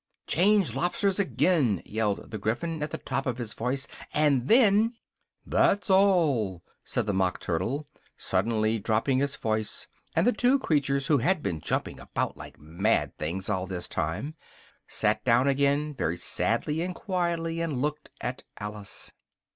"Change lobsters again!" yelled the Gryphon at the top of its voice, "and then " "That's all," said the Mock Turtle, suddenly dropping its voice, and the two creatures, who had been jumping about like mad things all this time, sat down again very sadly and quietly, and looked at Alice.